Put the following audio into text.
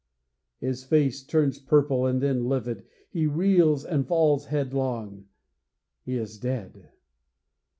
His face turns purple and then livid. He reels and falls headlong. He is dead!